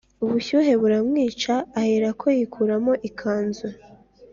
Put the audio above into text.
ubushyuhe buramwica, aherako yikuramo ikanzu